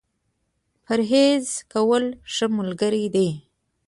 پرهېز کول ، ښه ملګری دی.